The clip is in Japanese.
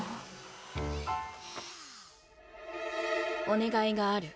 お願いがある。